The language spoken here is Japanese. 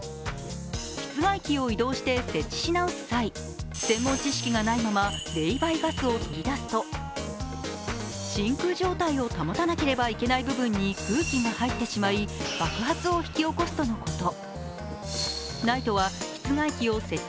室外機を移動して設置し直す際、専門知識がないまま冷媒ガスを取り出すと真空状態を保たなければいけない部分に空気が入ってしまい爆発を引き起こすとのこと。